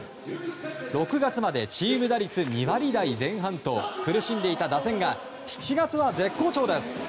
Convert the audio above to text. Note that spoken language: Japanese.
６月までチーム打率２割台前半と苦しんでいた打線が７月は絶好調です。